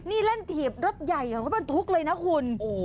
นี่เล่นถีบรถใหญ่มันก็เป็นทุกข์เลยนะคุณ